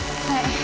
はい！